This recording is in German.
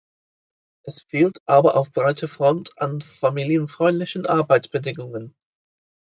Es fehlt aber auf breiter Front an familienfreundlichen Arbeitsbedingungen.